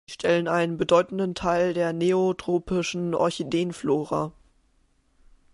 Sie stellen einen bedeutenden Teil der neotropischen Orchideen-Flora.